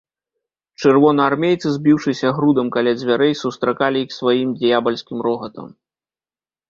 Чырвонаармейцы, збіўшыся грудам каля дзвярэй, сустракалі іх сваім д'ябальскім рогатам.